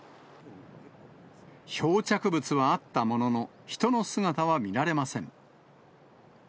漂着物はあったものの、人の姿は見られません。